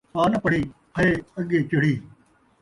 پاء ناں پڑھی، پھئے اڳے چڑھی